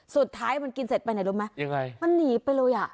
สุดท้ายมันกินเสร็จไปไหนรู้ไหมยังไงมันหนีไปเลยอ่ะ